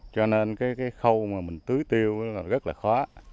cho nên cái khâu mà mình tưới tiêu rất là khó